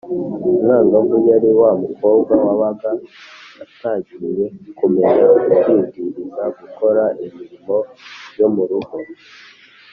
umwangavu yari wa mukobwa wabaga atangiye kumenya kwibwiriza gukora imirimo yo mu rugo